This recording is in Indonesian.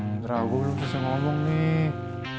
ndra gue belum selesai ngomong nih